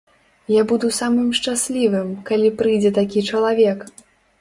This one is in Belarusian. Я буду самым шчаслівым, калі прыйдзе такі чалавек.